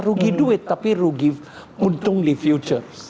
rugi duit tapi rugi untung di future